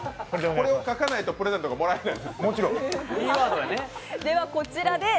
これを書かないとプレゼントがもらえない。